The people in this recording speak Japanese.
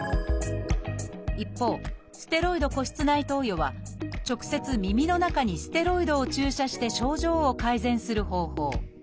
一方ステロイド鼓室内投与は直接耳の中にステロイドを注射して症状を改善する方法。